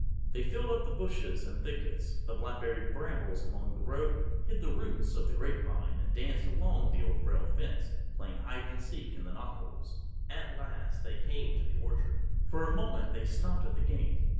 They filled up the bushes and thickets, the blackberry brambles along the road, hid the roots of the wild grapevine and danced along the Old Rail Fence, playing hide and seek in the knotholes. At last they came to the orchard. For a moment they stopped at the gate.